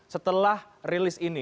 setelah rilis ini